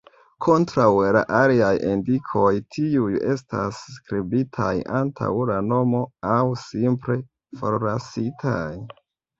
Kontraŭe al aliaj indikoj, tiuj estas skribitaj antaŭ la nomo, aŭ simple forlasitaj.